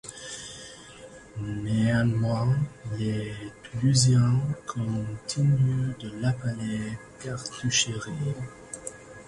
Néanmoins, les Toulousains continuent de l'appeler “Cartoucherie”.